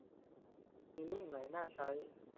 มีรุ่นไหนน่าใช้